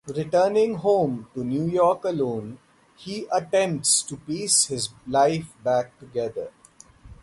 Returning home to New York alone, he attempts to piece his life back together.